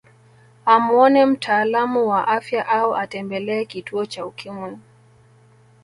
Amuone mtaalamu wa afya au atembelee kituo cha Ukimwi